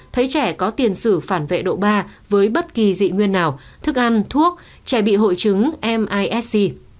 thấy trẻ có tiền sử phản vệ độ ba với bất kỳ dị nguyên nào thức ăn thuốc trẻ bị hội chứng misc